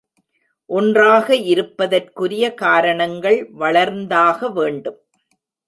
ஒன்றாக இருப்பதற்குரிய காரணங்கள் வளர்ந்தாகவேண்டும்.